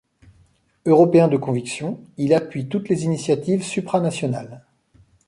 Européen de conviction, il appuie toutes les initiatives supranationales.